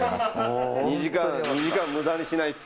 ２時間むだにしないっす。